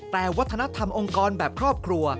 แต่วัฒนธรรมองค์กรแบบครอบครัว